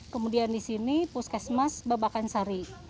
kemudian di sini puskesmas babakan sari